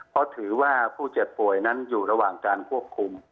เพราะถือว่าผู้เจ็บป่วยนั้นอยู่ระหว่างการควบคุม